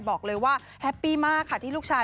บอกเลยว่าแฮปปี้มากค่ะที่ลูกชาย